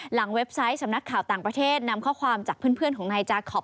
เว็บไซต์สำนักข่าวต่างประเทศนำข้อความจากเพื่อนของนายจาคอป